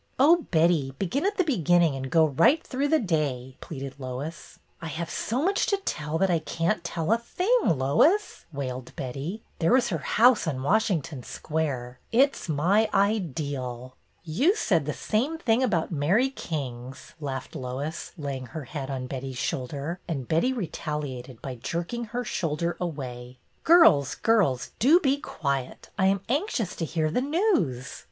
Oh, Betty, begin at the beginning and go right through the day," pleaded Lois. '' I have so much to tell that I can't tell a thing, Lois," wailed Betty. " There was her house on Washington Square. It 's my ideal." You said the same thing about Mary King's," laughed Lois, laying her head on Betty's shoul der, and Betty retaliated by jerking her shoulder away. Girls, girls, do be quiet ! I am anxious to hear the news."